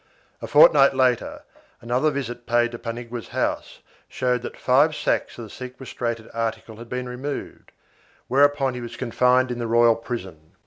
A fortnight later, another visit paid to Paniagua's house showed that five sacks of the sequestrated article had been removed, whereupon he was confined in the royal prison.